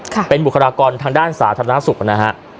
ค่ะเป็นบุคลากรทางด้านสาธารณสุขนะฮะ